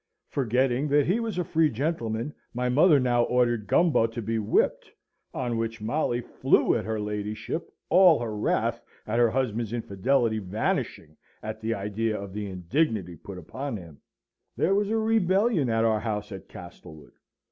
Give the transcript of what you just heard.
Forgetting that he was a free gentleman, my mother now ordered Gumbo to be whipped, on which Molly flew at her ladyship, all her wrath at her husband's infidelity vanishing at the idea of the indignity put upon him; there was a rebellion in our house at Castlewood.